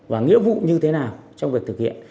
và nghĩa vụ như thế nào trong việc thực hiện